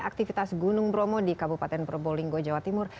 aktivitas gunung bromo di kabupaten probolinggo jawa timur